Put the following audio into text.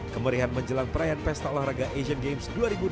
kemerihan menjelang perayaan pesta olahraga asian games dua ribu delapan belas